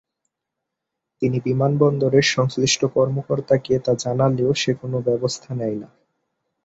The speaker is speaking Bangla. তিনি বিমানবন্দরের সংশ্লিষ্ট কর্মকর্তাকে তা জানালেও সে কোনো ব্যবস্থা নেয় না।